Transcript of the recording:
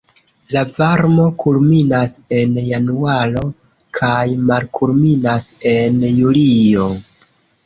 La varmo kulminas en januaro kaj malkulminas en julio.